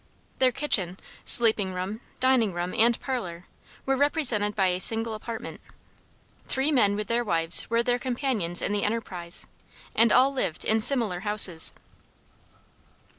Their kitchen, sleeping room, dining room, and parlor were represented by a single apartment Three men with their wives were their companions in the enterprise, and all lived in similar houses.